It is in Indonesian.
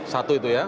satu itu ya